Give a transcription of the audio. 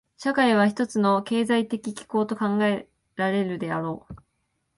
社会は一つの経済的機構と考えられるであろう。